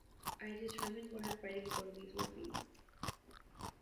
I determined what her fighting abilities would be.